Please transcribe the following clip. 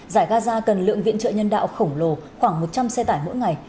giải gaza cần lượng viện trợ nhân đạo khổng lồ khoảng một trăm linh xe tải mỗi ngày